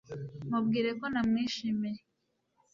Mubwire ko namwishimiye